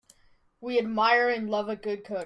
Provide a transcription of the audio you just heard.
We admire and love a good cook.